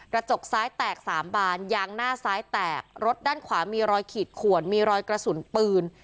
กระจกซ้ายแตกสามบานยางหน้าซ้ายแตกรถด้านขวามีรอยขีดขวนมีรอยกระสุนปืน